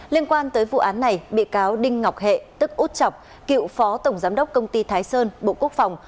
liên quan tới vụ án này bị cáo đinh ngọc hệ tức út chọc cựu phó tổng giám đốc công ty thái sơn bộ quốc phòng